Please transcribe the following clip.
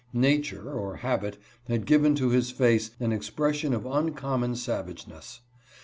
Nature, or habit, had given to his face an expression of uncommon savageness.